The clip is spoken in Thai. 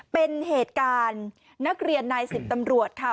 เป็นเหตุการณ์นักเรียนนาย๑๐ตำรวจค่ะ